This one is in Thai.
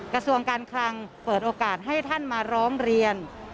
กระทรวงการคลังเปิดโอกาสให้ท่านมาร้องเรียน